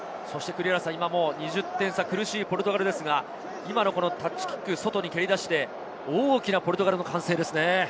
今もう２０点差、苦しいポルトガルですが、今のタッチキック、外に蹴り出して、大きなポルトガルの歓声ですね。